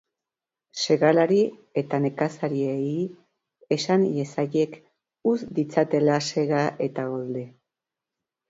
Segalari eta nekazariei esan iezaiek utz ditzatela sega eta golde.